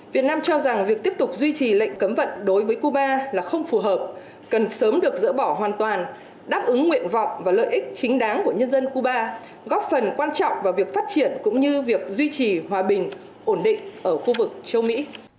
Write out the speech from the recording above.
việt nam cho rằng việc tiếp tục duy trì lệnh cấm vận đối với cuba là không phù hợp cần sớm được dỡ bỏ hoàn toàn đáp ứng nguyện vọng và lợi ích chính đáng của nhân dân cuba góp phần quan trọng vào việc phát triển cũng như việc duy trì hòa bình ổn định ở khu vực châu mỹ